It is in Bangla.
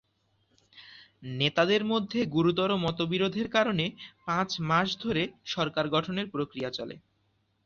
নেতাদের মধ্যে গুরুতর মতবিরোধের কারণে পাঁচ মাস ধরে সরকার গঠনের প্রক্রিয়া চলে।